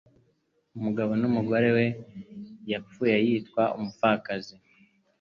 Umugabo umugore we yapfuye yitwa umupfakazi.